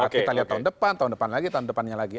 kita lihat tahun depan tahun depan lagi tahun depannya lagi